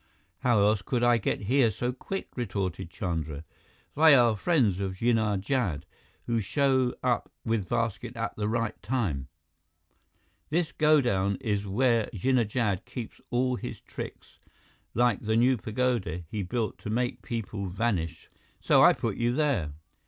"How else could I get here so quick?" retorted Chandra. "They are friends of Jinnah Jad, who show up with basket at the right time. This godown is where Jinnah Jad keeps all his tricks, like the new pagoda he built to make people vanish. So I put you there."